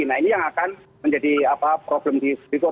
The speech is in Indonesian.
nah ini yang akan menjadi problem di situ